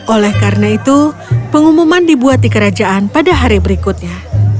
oleh karena itu pengumuman dibuat di kerajaan pada hari berikutnya